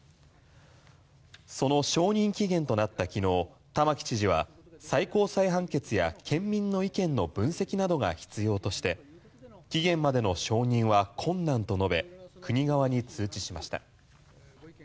その承認期限となった昨日玉城知事は最高裁判決や県民の意見の分析などが必要として期限までの承認は困難と述べ国側に通知しました。